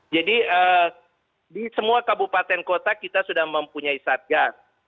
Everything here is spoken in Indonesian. jadi di semua kabupaten kota kita sudah mempunyai satgas